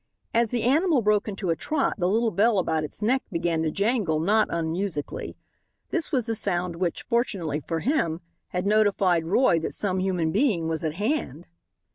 As the animal broke into a trot the little bell about its neck began to jangle not unmusically. This was the sound which, fortunately for him, had notified Roy that some human being was at hand.